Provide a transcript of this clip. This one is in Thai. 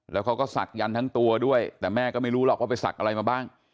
แล้วเขาก็ศักดันทั้งตัวด้วยแต่แม่ก็ไม่รู้หรอกว่าไปศักดิ์อะไรมาบ้าง